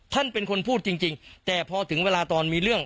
ท่านเป็นคนพูดจริงแต่พอถึงเวลาตอนมีเรื่อง